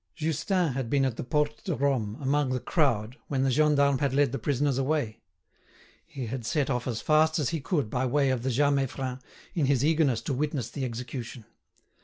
Justin had been at the Porte de Rome, among the crowd, when the gendarme had led the prisoners away. He had set off as fast as he could by way of the Jas Meiffren, in his eagerness to witness the execution.